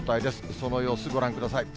その様子ご覧ください。